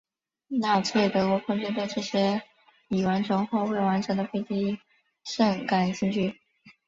纳粹德国空军对这些已完成或未完成的飞机甚感兴趣。